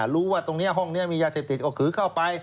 รู้ว่าตรงนี้ห้องนี้มียาเสพติดก็คือเข้าไป